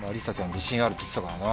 自信あるって言ってたからな。